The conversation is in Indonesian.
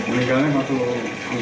meninggalnya satu anggota